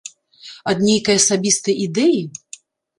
Ад нейкай асабістай ідэі?